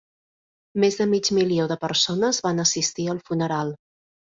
Més de mig milió de persones van assistir al funeral.